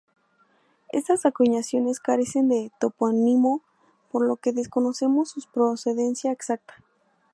Estas acuñaciones carecen de topónimo, por lo que desconocemos su procedencia exacta.